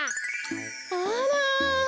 あら！